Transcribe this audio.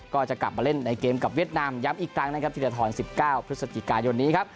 ก็จะกลับมาเล่นในเกมกับเวียดนามย้ำอีกครั้งนะครับธิรทร๑๙พฤศจิกายนนี้ครับ